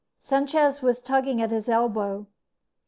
Sanchez was tugging at his elbow.